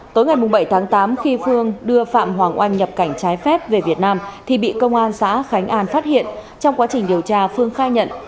tối ngày bảy tháng tám khi phương đưa phạm hoàng oanh nhập cảnh trái phép về việt nam thì bị công an xã khánh an phát hiện trong quá trình điều tra phương khai nhận